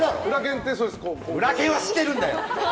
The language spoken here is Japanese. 裏拳は知ってるんだよ！